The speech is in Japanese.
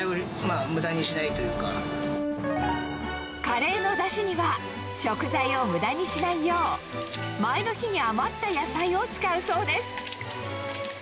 カレーのダシには食材を無駄にしないよう前の日に余った野菜を使うそうです